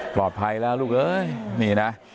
ปลอดภัยแล้วลูกเอ้ยนี่นะ